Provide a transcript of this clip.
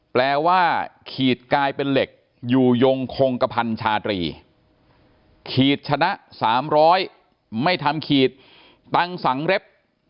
แปลว่าขีดกลายเป็นเหล็กอยู่ยงคงกระพันชาตรีขีดชนะ๓๐๐ไม่ทำขีดตังค์สังเล็บ